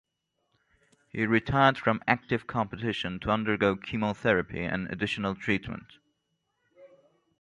He retired from active competition to undergo chemotherapy and additional treatment.